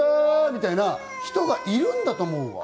そういう人がいるんだと思うわ。